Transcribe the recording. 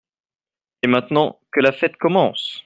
Et maintenant, que la fête commence !